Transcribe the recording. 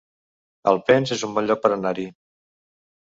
Alpens es un bon lloc per anar-hi